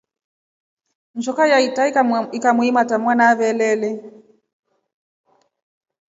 Njoka yaitra ikamuimata mwawna avelele.